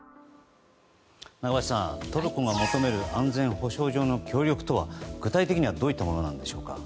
中林さん、トルコが求める安全保障上の協力とは具体的にはどういったものなんでしょうか。